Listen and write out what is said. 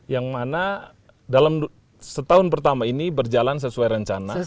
yang mana dalam setahun pertama ini berjalan sesuai rencana